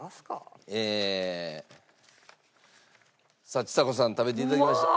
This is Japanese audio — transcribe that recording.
さあちさ子さん食べて頂きました。